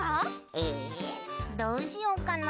えどうしよっかな？